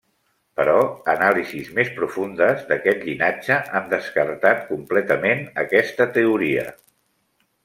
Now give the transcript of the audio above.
Però anàlisis més profundes d'aquest llinatge han descartat completament aquesta teoria.